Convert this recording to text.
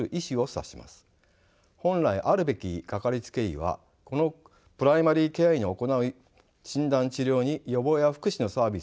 本来あるべきかかりつけ医はこのプライマリケア医の行う診断治療に予防や福祉のサービスを追加したものだと言えます。